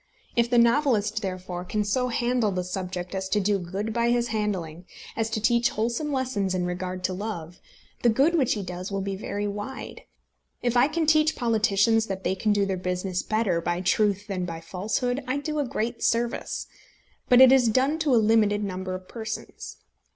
If the novelist, therefore, can so handle the subject as to do good by his handling, as to teach wholesome lessons in regard to love, the good which he does will be very wide. If I can teach politicians that they can do their business better by truth than by falsehood, I do a great service; but it is done to a limited number of persons.